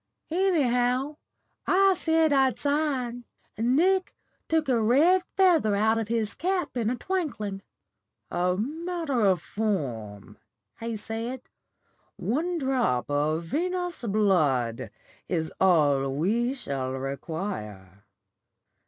"Anyhow, I said I'd sign, and Nick took a red feather out of his cap in a twinkling. 'A matter of form,' he said, 'one drop of venous blood is all we shall require.